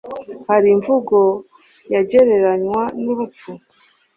hari imvugo yagereranywa n'urupfu